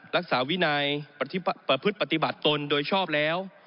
รักษาวินัยประพฤติปฏิบัติตนโดยชอบแล้ว